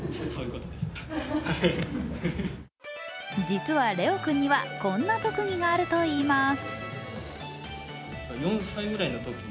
実は怜央君にはこんな特技があるといいます。